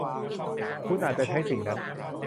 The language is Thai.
คุณอาจจะใช้สิ่งนั้น